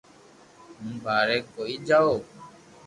ھون ٻاري ڪوئي جاو